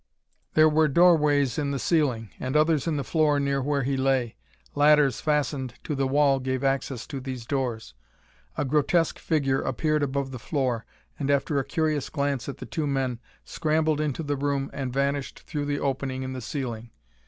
There were doorways in the ceiling, and others in the floor near where he lay; ladders fastened to the wall gave access to these doors. A grotesque figure appeared above the floor and, after a curious glance at the two men, scrambled into the room and vanished through the opening in the ceiling.